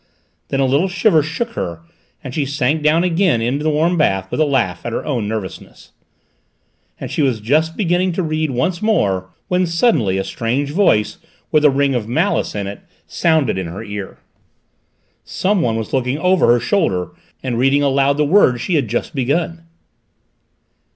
Then a little shiver shook her and she sank down again in the warm bath with a laugh at her own nervousness. And she was just beginning to read once more, when suddenly a strange voice, with a ring of malice in it, sounded in her ear. Someone was looking over her shoulder, and reading aloud the words she had just begun!